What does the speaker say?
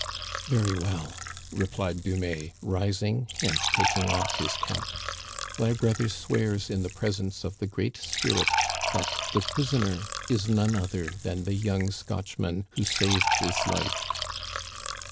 "Very well !" replied Dumais, rising and taking ofif his cap, "thy brother swears in the presence of the Great Spirit that the prisoner is none other than the young Scotchman who saved his life